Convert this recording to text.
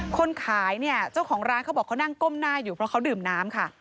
คนขายเนี่ยเจ้าของร้านเขาบอกเขานั่งก้มหน้าอยู่เพราะเขาดื่มน้ำค่ะ